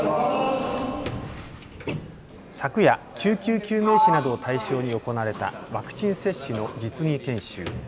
昨夜、救急救命士などを対象に行われたワクチン接種の実技研修。